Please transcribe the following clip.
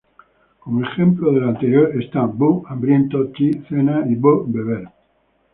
Como ejemplo de lo anterior están: 飢, ‘hambriento’; 飧, ‘cena’; 飲, ‘beber’.